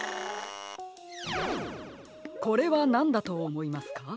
これはなんだとおもいますか？